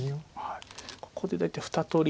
ここで大体２通り。